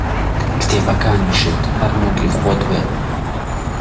کتێبەکانیشت هەر موڵکی خۆت بێ